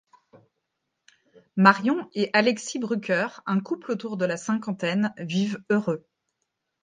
Marion et Alexis Bruker, un couple autour de la cinquantaine, vivent heureux.